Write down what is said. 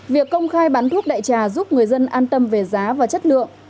việc công khai bán thuốc đại trà giúp người dân an tâm về giá và chất lượng